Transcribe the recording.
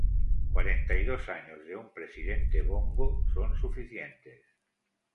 Cuarenta y dos años de un "Presidente Bongo" son suficientes".